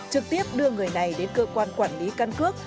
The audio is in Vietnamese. trực tiếp đưa người này đến cơ quan quản lý căn cước